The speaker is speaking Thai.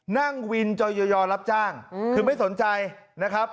นั่งวินจอยอรับจ้างคือไม่สนใจนะครับ